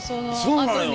そうなのよ